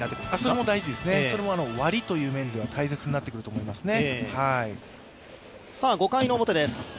それも大事ですね、割りという面では大切になってくると思いますね。